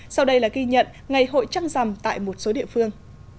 sau đây là ghi nhận ngày hội trăng rằm tại một số địa phương